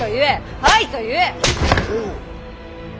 はいと言え。